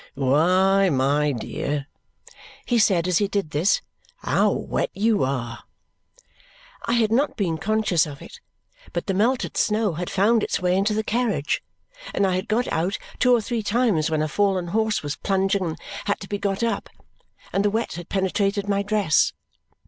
"Why, my dear!" he said as he did this. "How wet you are!" I had not been conscious of it. But the melted snow had found its way into the carriage, and I had got out two or three times when a fallen horse was plunging and had to be got up, and the wet had penetrated my dress.